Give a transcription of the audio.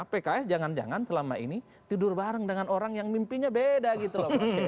pks jangan jangan selama ini tidur bareng dengan orang yang mimpinya beda gitu loh